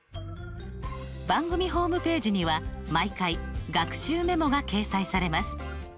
番組ホームページには毎回学習メモが掲載されます。